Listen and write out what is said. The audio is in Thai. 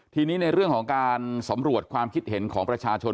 ทีนี้ในเรื่องของการสำรวจความคิดเห็นของประชาชน